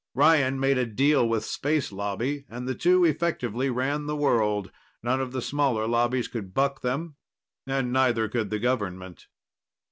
Ryan made a deal with Space Lobby, and the two effectively ran the world. None of the smaller lobbies could buck them, and neither could the government.